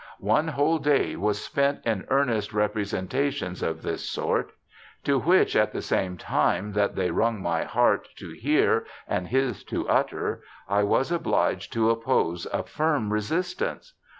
One whole day was spent in earnest repre sentations of this sort, to which, at the same time that they wrung my heart to hear and his to utter, I was obliged to oppose a firm resistance.